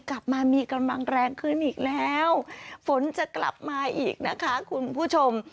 กลับมามีกำลังแรงขึ้นอีกแล้วฝนจะกลับมาอีกนะคะคุณผู้ชม